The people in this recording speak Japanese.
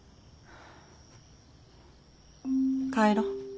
帰ろう。